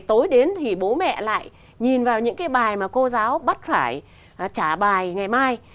tối đến thì bố mẹ lại nhìn vào những cái bài mà cô giáo bắt phải trả bài ngày mai